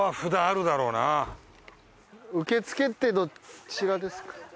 受付ってどちらですか？